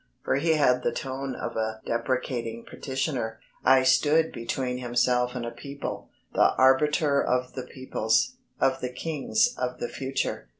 For he had the tone of a deprecating petitioner. I stood between himself and a people, the arbiter of the peoples, of the kings of the future.